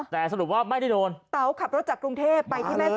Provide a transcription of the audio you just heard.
แต่สรุปว่าไม่ได้โดนเต๋าขับรถจากกรุงเทพฯ